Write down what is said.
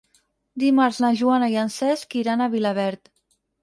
Dimarts na Joana i en Cesc iran a Vilaverd.